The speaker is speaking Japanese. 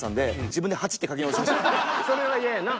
それは嫌やな。